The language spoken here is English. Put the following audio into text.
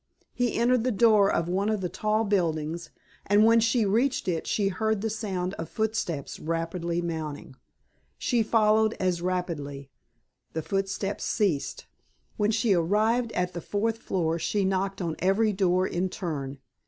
He entered the door of one of the tall buildings, and when she reached it she heard the sound of footsteps rapidly mounting. She followed as rapidly. The footsteps ceased. When she arrived at the fourth floor she knocked on every door in turn.